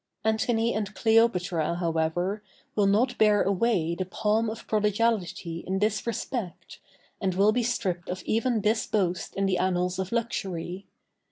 Antony and Cleopatra, however, will not bear away the palm of prodigality in this respect, and will be stripped of even this boast in the annals of luxury.